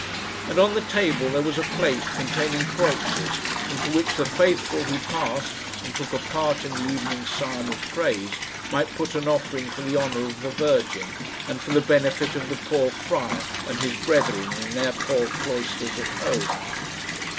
And on the table there was a plate containing kreutzers, into which the faithful who passed and took a part in the evening psalm of praise, might put an offering for the honour of the Virgin, and for the benefit of the poor friar and his brethren in their poor cloisters at home.